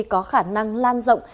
có khả năng lan rộng